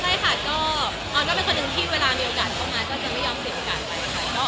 ใช่ค่ะออนก็เป็นคนนึงที่เวลามีโอกาสเข้ามา